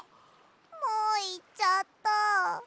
もういっちゃった。